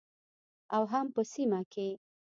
او هم په سیمه کې